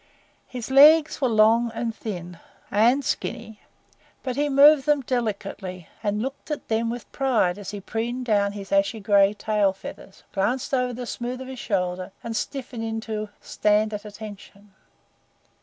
His legs were long and thin and skinny, but he moved them delicately, and looked at them with pride as he preened down his ashy gray tail feathers, glanced over the smooth of his shoulder, and stiffened into "Stand at attention."